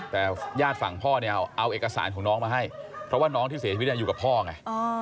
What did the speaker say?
พ่อเอาเอกสารของน้องมาให้เพราะว่าน้องที่เสียชีวิตอยู่กับพ่อไง